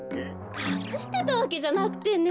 かくしてたわけじゃなくてね。